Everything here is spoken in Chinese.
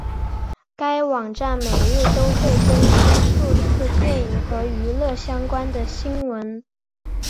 该网站每日都会更新数次电影和娱乐相关的新闻。